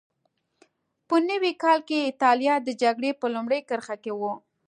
په نوي کال کې اېټالیا د جګړې په لومړۍ کرښه کې وه.